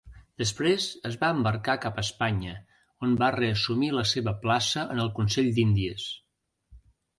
Després es va embarcar cap Espanya on reassumir la seva plaça en el Consell d'Índies.